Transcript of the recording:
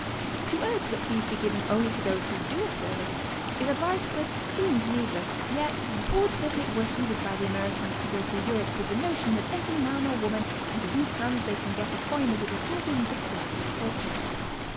To urge that fees be given only to those who do a service, is advice that seems needless, yet would that it were heeded by the Americans who go through Europe with the notion that every man or woman into whose hands they can get a coin is a deserving victim of misfortune!